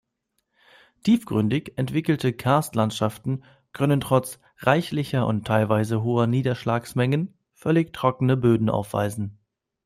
Tiefgründig entwickelte Karstlandschaften können trotz reichlicher und teilweise hoher Niederschlagsmengen völlig trockene Böden aufweisen.